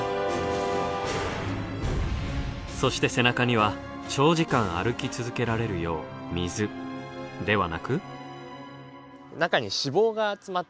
そして背中には長時間歩き続けられるよう水ではなく。